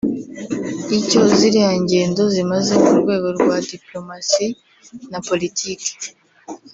Icyo ziriya ngendo zimaze mu rwego rwa “diplomatie” na “politique”